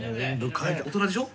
大人でしょ？